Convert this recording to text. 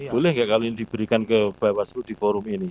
boleh nggak kali ini diberikan ke bawaslu di forum ini